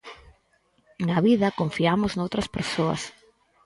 Na vida confiamos noutras persoas.